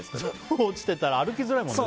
落ちてたら歩きづらいもんね。